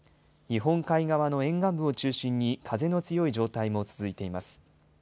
日本海側の沿岸部を中心に風の強い状態も続いています。